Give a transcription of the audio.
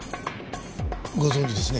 ご存じですね？